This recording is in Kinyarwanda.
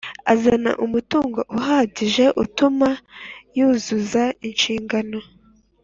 azana umutungo uhagije utuma yuzuza inshingano